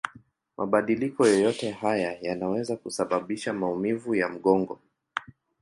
Mabadiliko yoyote haya yanaweza kusababisha maumivu ya mgongo.